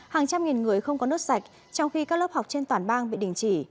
hàng trăm nghìn người không có nước sạch trong khi các lớp học trên toàn bang bị đình chỉ